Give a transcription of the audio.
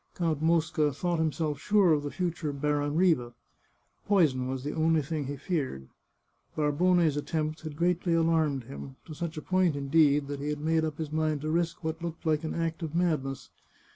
Count Mosca thought himself sure of the future Baron Riva. Poison was the only thing he feared. Barbone's attempt had greatly alarmed him — to such a point, indeed, that he had made up his mind to risk what looked like an act of madness.